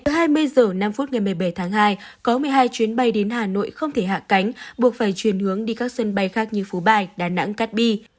hai mươi h năm ngày một mươi bảy tháng hai có một mươi hai chuyến bay đến hà nội không thể hạ cánh buộc phải chuyển hướng đi các sân bay khác như phú bài đà nẵng cát bi